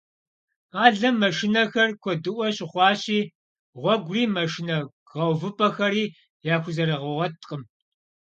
Къалэм машинэхэр куэдыӏуэ щыхъуащи, гъуэгури машинэ гъэувыпӏэхэри яхузэрыгъэгъуэткъым.